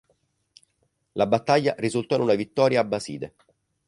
La battaglia risultò in una vittoria abbaside.